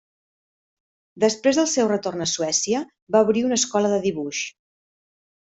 Després del seu retorn a Suècia, va obrir una escola de dibuix.